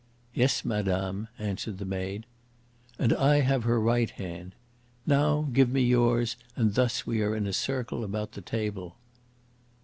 "Yes, madame," answered the maid. "And I have her right hand. Now give me yours, and thus we are in a circle about the table."